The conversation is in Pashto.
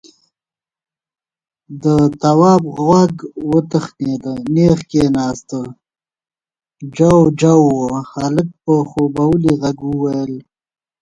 د تواب غوږ وتخنېد، نېغ کېناست. جُوجُو و. هلک په خوبولي غږ وويل: